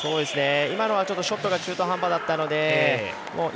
今のはちょっとショットが中途半端だったので尹